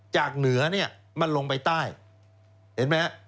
จากเหนือมันลงไปใต้เห็นไหม